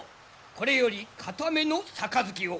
これより固めの杯を。